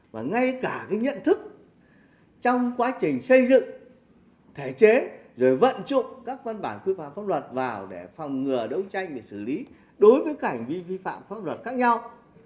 và ngay cả cái nhận thức trong quá trình xây dựng thể chế rồi vận dụng các văn bản quy phạm pháp luật vào để phòng ngừa đấu tranh để xử lý đối với các hành vi vi phạm pháp luật khác nhau